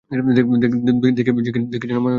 দেখে যেনো মনে হয় ঘুমাচ্ছে।